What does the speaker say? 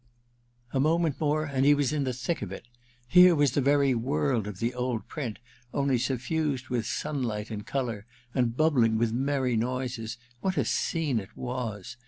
A moment more and he was in the thick of it ! Here was the very world of the old print, only suffused with sunlight and colour, and bubbling with merry noises. What a scene it was